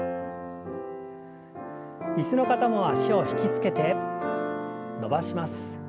椅子の方も脚を引き付けて伸ばします。